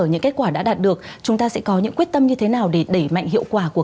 những kết quả đã đạt được chúng ta sẽ có những quyết tâm như thế nào để đẩy mạnh hiệu quả của